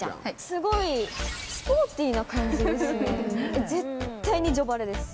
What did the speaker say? すごいスポーティーな感じですね。